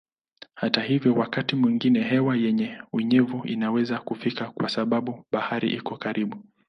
Hata hivyo wakati mwingine hewa yenye unyevu inaweza kufika kwa sababu bahari iko karibu.